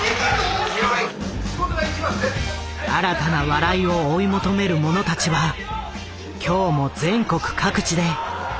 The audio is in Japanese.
新たな笑いを追い求める者たちは今日も全国各地で火花を散らしている。